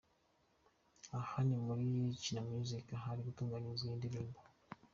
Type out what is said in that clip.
Aha ni muri Kina Music ahari gutunganyirizwa iyi ndirimbo.